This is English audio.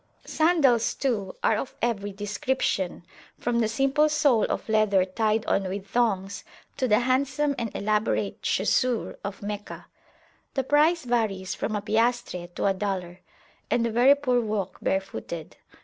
Sandals, too, are of every description, from the simple sole of leather tied on with thongs, to the handsome and elaborate chaussure of Meccah; the price varies from a piastre to a dollar, and the very poor walk barefooted.